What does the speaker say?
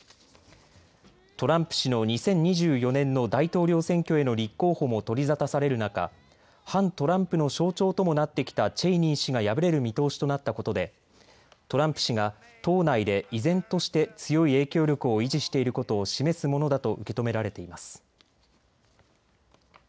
トランプ氏の２０２４年の大統領選挙への立候補も取り沙汰される中、反トランプの象徴ともなってきたチェイニー氏が敗れる見通しとなったことでトランプ氏が党内で依然として強い影響力を維持していることを示すものだと受け止められています。